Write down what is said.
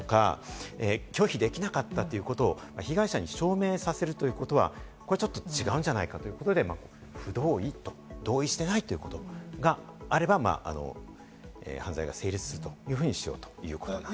強制されたとか拒否できなかったということを被害者に証明させるということはちょっと違うんじゃないかということで、不同意と、同意していないということがあれば犯罪が成立するというふうにしようと。